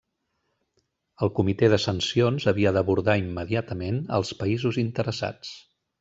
El Comitè de Sancions havia d'abordar immediatament els països interessats.